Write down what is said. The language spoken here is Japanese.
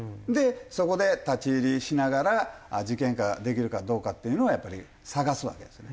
そこで立ち入りしながら事件化できるかどうかっていうのを探すわけですよね。